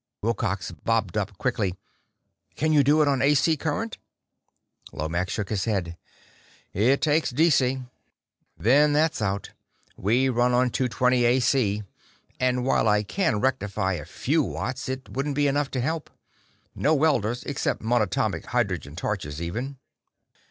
Wilcox bobbed up quickly. "Can you do it on AC current?" Lomax shook his head. "It takes DC." "Then that's out. We run on 220 AC. And while I can rectify a few watts, it wouldn't be enough to help. No welders except monatomic hydrogen torches, even."